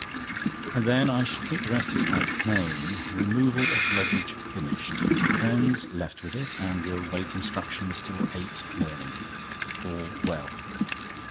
"And then?—I should think the rest is quite plain: 'Removal of luggage finished. Friends left with it and will wait instructions till eight morning. All well.